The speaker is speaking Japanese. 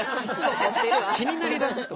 気になりだすと。